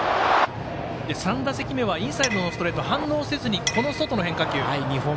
３打席目はインサイドのストレート反応せずに外の変化球。